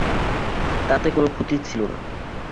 তাতে কোনো ক্ষতি ছিল না।